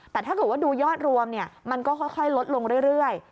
แต่ถ้าเกิดว่าดูยอดรวมมันก็ค่อยลดลงเรื่อย